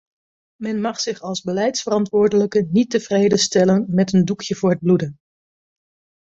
Men mag zich als beleidsverantwoordelijke niet tevreden stellen met een doekje voor het bloeden.